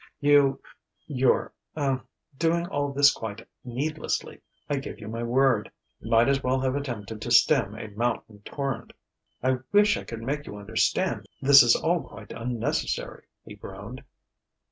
You you're ah doing all this quite needlessly, I give you my word." He might as well have attempted to stem a mountain torrent. "I wish I could make you understand this is all quite unnecessary," he groaned.